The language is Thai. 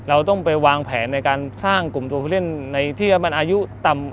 เราต้องไปวางแผนในการสร้างกลุ่มตัวผู้เล่นในที่มันอายุต่ำ